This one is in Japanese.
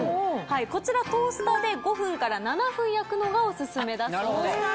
こちらトースターで５分から７分焼くのがオススメだそうです。